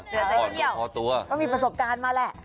เหลือแต่เที่ยวพอตัวก็มีประสบการณ์มาแหละ